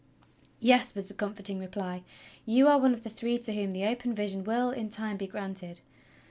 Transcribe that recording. "Yes," was the comforting repljs "you are one of the three to whom the open vision will in time be granted.